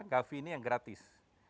gavi ini yang gratis